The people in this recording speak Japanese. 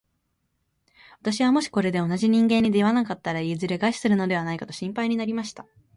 私はもしこれで同じ人間に出会わなかったら、いずれ餓死するのではないかと心配になりました。